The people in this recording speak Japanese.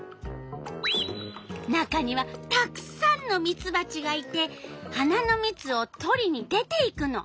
中にはたくさんのミツバチがいて花のみつをとりに出ていくの。